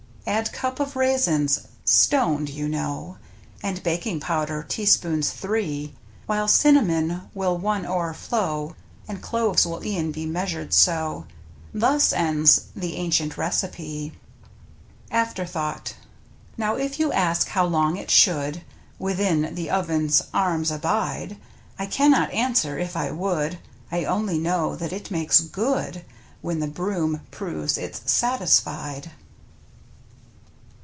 Add cup of raisins — stoned, you know — And baking powder, teaspoons three. While cinnamon will one o'erflow. And cloves will e'en be measured so, Thus ends the ancient recipe. AFTERTHOUGHT Now if you ask how long it should Within the oven's arms abide? I cannot answer if I would, I only know that it makes " good," When the broom proves it's satisfied.